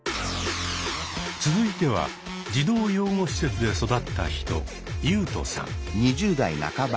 続いては児童養護施設で育った人ユウトさん。